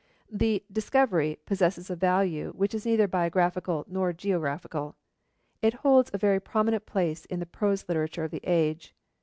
The Discovery possesses a value which is neither biographical nor geographical. It holds a very prominent place in the prose literature of the age.